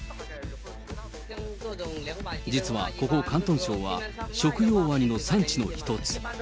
実はここ、広東省は食用ワニの産地の一つ。